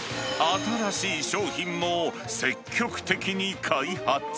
新しい商品も積極的に開発。